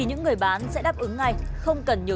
người ta bảo sang ra